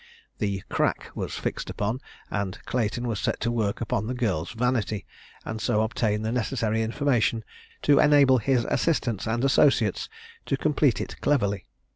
The "crack" was fixed upon, and Clayton was set to work upon the girl's vanity, and so obtain the necessary information to enable his assistants and associates to complete it cleverly.